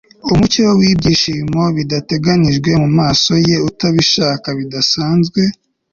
Umucyo wibyishimo bidateganijwe mumaso ye utabishaka bidasanzwe